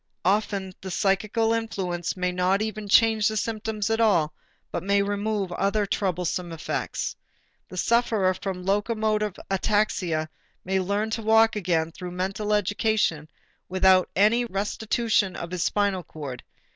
Often the psychical influence may not even change the symptoms at all but may remove other troublesome effects. The sufferer from locomotor ataxia may learn to walk again through mental education without any restitution of his spinal cord.